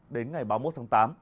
đến ngày ba mươi một tháng tám